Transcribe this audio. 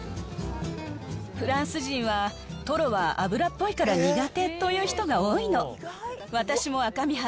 フランス人は、トロは脂っぽいから苦手という人が多いの。